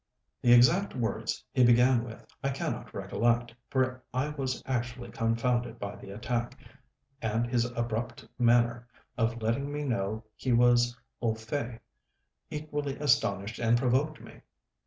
The exact words he began with I cannot recollect, for I was actually confounded by the attack; and his abrupt manner of letting me know he was au fait equally astonished and provoked me.